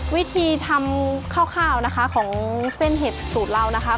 วิธีทำคร่าวนะคะของเส้นเห็ดสูตรเรานะคะ